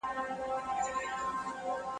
ښځي ته د زړه حال مه وايه.